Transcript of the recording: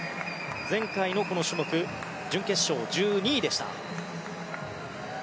前回の、この種目は準決勝１２位でした。